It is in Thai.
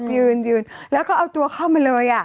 ยืนยืนแล้วก็เอาตัวเข้ามาเลย